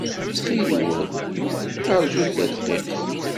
Ttxil-wen, ṛjut tadqiqt.